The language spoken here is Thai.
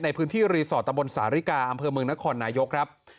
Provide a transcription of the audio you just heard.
ในพื้นที่รีสอร์ตตะบนสาริกาอำเภอเมืองนครนายกครับ